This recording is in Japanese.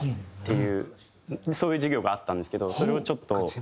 そういう授業があったんですけどそれをちょっと。